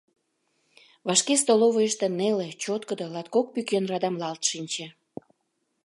Вашке столовыйышто неле, чоткыдо латкок пӱкен радамлалт шинче.